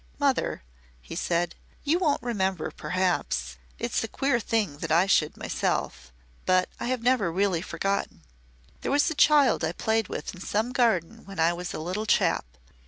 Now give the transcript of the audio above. "Mother," he said, "you won't remember perhaps it's a queer thing that I should myself but I have never really forgotten. There was a child I played with in some garden when I was a little chap.